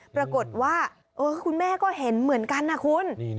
ปรากฏว่าคุณแม่ก็เห็นเหมือนกันนะคุณ